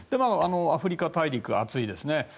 アフリカ大陸、暑いですよね